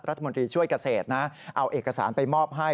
รัฐมนตรีช่วยเกษตรนะเอาเอกสารไปมอบให้